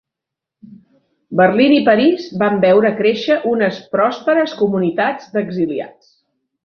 Berlín i París van veure créixer unes pròsperes comunitats d'exiliats.